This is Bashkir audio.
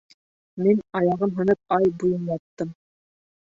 Мин аяғым һынып ай буйы яттым